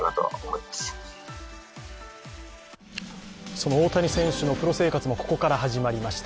その大谷選手のプロ生活もここから始まりました。